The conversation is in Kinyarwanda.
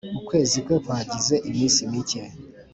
ukwezi kwe kwagize iminsi mike